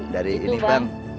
dari itu bang